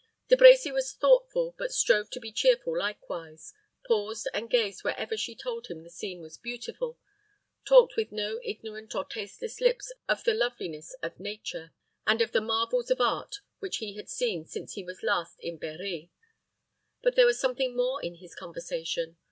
De Brecy was thoughtful, but strove to be cheerful likewise, paused and gazed wherever she told him the scene was beautiful, talked with no ignorant or tasteless lips of the loveliness of nature, and of the marvels of art which he had seen since he was last in Berri; but there was something more in his conversation.